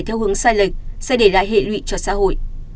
theo hướng sai lệch sẽ để lại hệ lụy cho xã hội